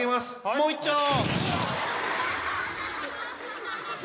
もういっちょう！